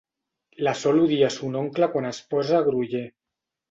La Sol odia son oncle quan es posa groller.